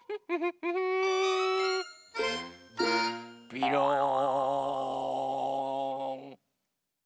びろん！